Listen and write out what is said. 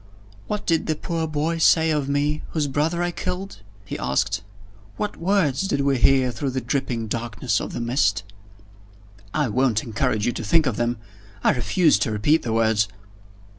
"What did the poor boy say of me, whose brother I killed?" he asked. "What words did we hear through the dripping darkness of the mist?" "I won't encourage you to think of them. I refuse to repeat the words."